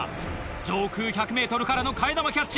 上空１００ｍからの替え玉キャッチ。